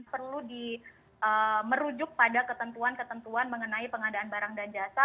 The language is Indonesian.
perlu merujuk pada ketentuan ketentuan mengenai pengadaan barang dan jasa